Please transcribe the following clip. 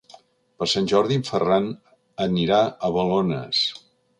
Per Sant Jordi en Ferran anirà a Balones.